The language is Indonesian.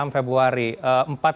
enam februari pak